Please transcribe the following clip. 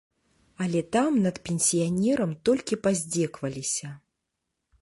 Але там над пенсіянерам толькі паздзекваліся.